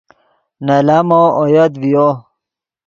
نے لامو اویت ڤیو